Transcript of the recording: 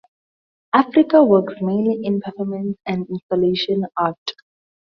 Afrika works mainly in performance and installation art.